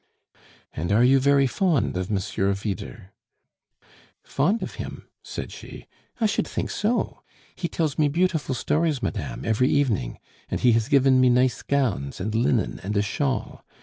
"And are you very fond of Monsieur Vyder?" "Fond of him?" said she. "I should think so! He tells me beautiful stories, madame, every evening; and he has given me nice gowns, and linen, and a shawl.